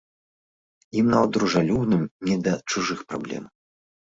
Ім, нават дружалюбным, не да чужых праблем.